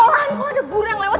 kok ada gurang lewat